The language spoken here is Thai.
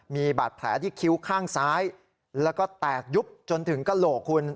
มีบาดแผลที่คิ้วข้างซ้ายแล้วก็แตกยุบจนถึงกระโหลกคุณ